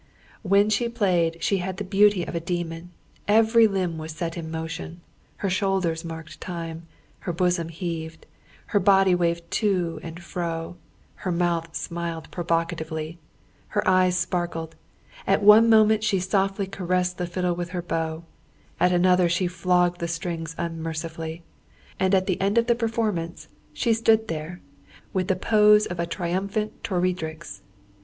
When she played she had the beauty of a demon; every limb was set in motion, her shoulders marked time, her bosom heaved, her body waved to and fro, her mouth smiled provocatively, her eyes sparkled; at one moment she softly caressed the fiddle with her bow, at another she flogged the strings unmercifully, and at the end of the performance she stood there with the pose of a triumphant Toreadrix.